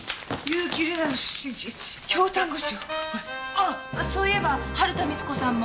あっそういえば春田美津子さんも。